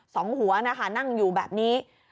สองหัวนะคะนั่งอยู่แบบนี้